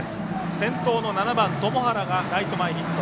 先頭の７番、塘原がライト前ヒット。